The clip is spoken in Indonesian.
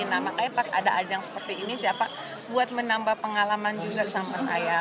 nah makanya pak ada ajang seperti ini siapa buat menambah pengalaman juga sama saya